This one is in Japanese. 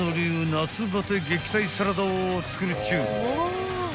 夏バテ撃退サラダを作るっちゅう］